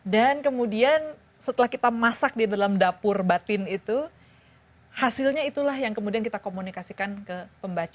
dan kemudian setelah kita masak di dalam dapur batin itu hasilnya itulah yang kemudian kita komunikasikan ke pembaca